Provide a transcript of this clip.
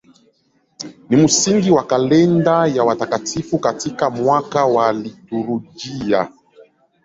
Ni msingi wa kalenda ya watakatifu katika mwaka wa liturujia.